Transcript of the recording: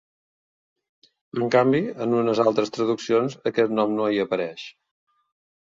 En canvi, en unes altres traduccions aquest nom no hi apareix.